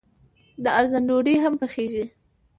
د ارزن ډوډۍ هم پخیږي.